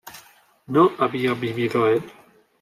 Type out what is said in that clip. ¿no había vivido él?